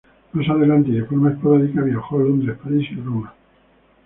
Más adelante, y de forma esporádica viajó a Londres, París, y Roma.